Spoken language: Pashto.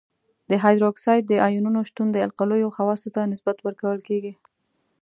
د هایدروکساید د آیونونو شتون د القلیو خواصو ته نسبت ورکول کیږي.